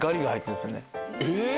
えっ！